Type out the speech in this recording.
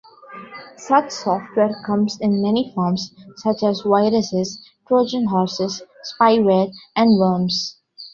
Such software comes in many forms, such as viruses, Trojan horses, spyware, and worms.